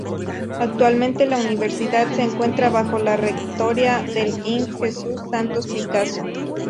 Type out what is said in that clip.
Actualmente la universidad se encuentra bajo la rectoría del Ing. Jesús Santos Picazo.